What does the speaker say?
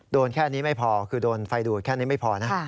แค่นี้ไม่พอคือโดนไฟดูดแค่นี้ไม่พอนะ